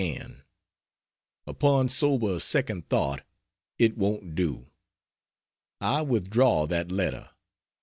ANN, Upon sober second thought, it won't do! I withdraw that letter.